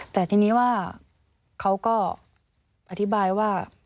แต่ทีนี้ว่าเขาก็อธิบายว่า